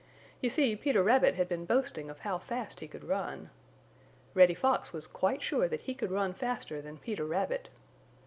You see, Peter Rabbit had been boasting of how fast he could run. Reddy Fox was quite sure that he could run faster than Peter Rabbit.